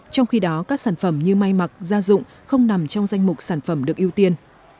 trong khi đó các sản phẩm như may mặc gia dụng không nằm trong danh mục sản phẩm được ưu tiên